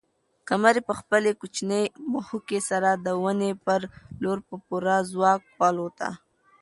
قمرۍ په خپلې کوچنۍ مښوکې سره د ونې پر لور په پوره ځواک والوته.